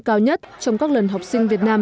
cao nhất trong các lần học sinh việt nam